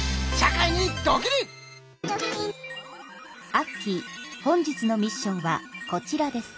アッキー本日のミッションはこちらです。